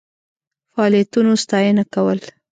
فعالیتونو ستاینه کول.